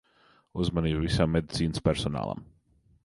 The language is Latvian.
Uzmanību visam medicīnas personālam.